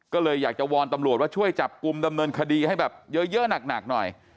ก็เลยอยากจะวอนตำรวจว่าช่วยจับกลุ่มดำเนินคดีให้แบบเยอะหนักหน่อย